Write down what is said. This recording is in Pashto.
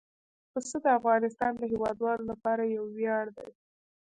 پسه د افغانستان د هیوادوالو لپاره یو ویاړ دی.